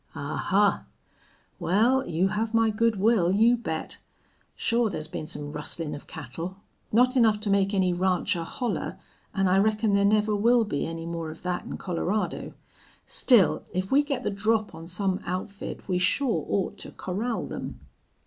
"Ahuh! Wal, you have my good will, you bet.... Sure thar's been some rustlin' of cattle. Not enough to make any rancher holler, an' I reckon there never will be any more of thet in Colorado. Still, if we get the drop on some outfit we sure ought to corral them."